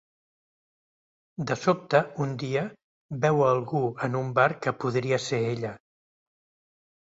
De sobte, un dia, veu a algú en un bar que podria ser ella.